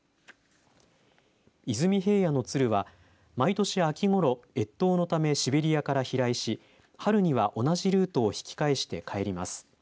出水平野の鶴は毎年秋ごろ越冬のためシベリアから飛来し春には同じルートを引き返して帰ります。